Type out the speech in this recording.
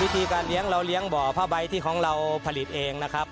การเลี้ยงเราเลี้ยงบ่อผ้าใบที่ของเราผลิตเองนะครับ